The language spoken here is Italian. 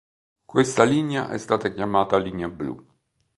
Questa linea è stata chiamata linea blu.